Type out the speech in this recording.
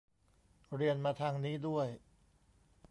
เรียนมาทางนี้ด้วย